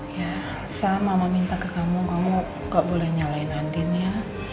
ya saya minta ke kamu kamu gak boleh nyalain andin ya